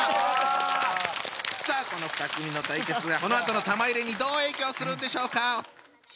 さあこの２組の対決がこのあとの玉入れにどう影響するんでしょうか？